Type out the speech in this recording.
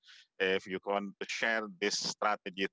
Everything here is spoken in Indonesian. jika anda ingin berbagi strategi ini